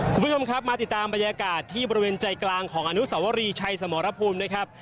คุณผู้ชมครับมาติดตามบรรยากาศที่บริเวณใจกลางของอนุสวรีชัยสมรภูมินะครับ